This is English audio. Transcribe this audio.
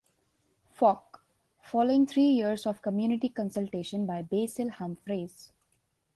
Fock, following three years of community consultation by Basil Humphreys.